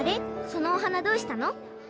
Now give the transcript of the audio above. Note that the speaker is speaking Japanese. そのお花どうしたの？